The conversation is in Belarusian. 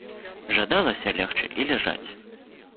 Жадалася легчы і ляжаць.